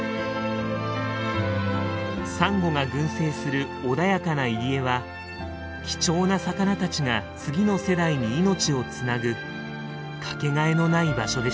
サンゴが群生する穏やかな入り江は貴重な魚たちが次の世代に命をつなぐ掛けがえのない場所でした。